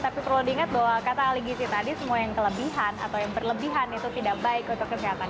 tapi perlu diingat bahwa kata ali gisi tadi semua yang kelebihan atau yang berlebihan itu tidak baik untuk kesehatan